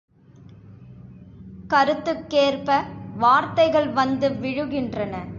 கருத்துக்கேற்ப வார்த்தைகள் வந்து விழுகின்றன.